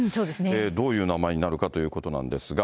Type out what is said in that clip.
どういう名前になるかということなんですが。